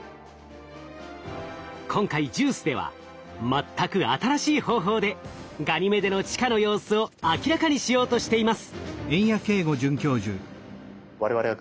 今回ＪＵＩＣＥでは全く新しい方法でガニメデの地下の様子を明らかにしようとしています。